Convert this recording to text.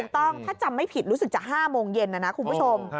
ต้องถ้าจำไม่ผิดรู้สึกจะ๕โมงเย็นนะนะคุณผู้ชม